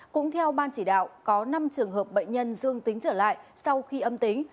cũng theo ban chỉ đạo có năm trường hợp bệnh nhân dương tính trở lại sau khi âm tính